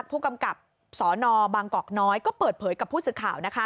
ผู้กำกับสนบางกอกน้อยก็เปิดเผยกับผู้สื่อข่าว